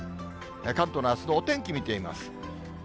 関東のあすのお天気見てみます。